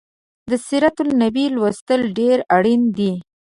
د سیرت النبي لوستل ډیر اړین دي